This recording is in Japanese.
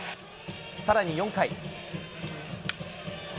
さらに４回。